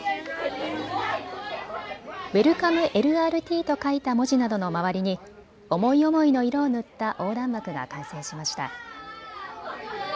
ＷＥＬＣＯＭＥ・ＬＲＴと書いた文字などの周りに思い思いの色を塗った横断幕が完成しました。